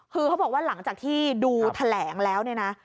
คือเขาบอกว่าหลังจากที่ดูแถลงแล้วเนี่ยนะ